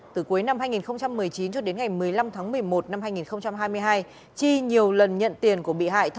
từ cuối năm hai nghìn một mươi chín cho đến ngày một mươi năm tháng một mươi một năm hai nghìn hai mươi hai chi nhiều lần nhận tiền của bị hại